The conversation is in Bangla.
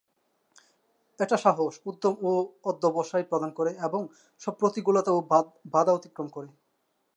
এটা সাহস, উদ্যম ও অধ্যবসায় প্রদান করে এবং সব প্রতিকূলতা ও বাধা অতিক্রম করে।